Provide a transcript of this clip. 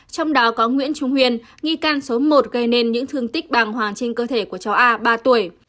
trong đó có nguyễn trung huyền nghi can số một gây nên những thương tích bàng hoàng trên cơ thể của cháu a ba tuổi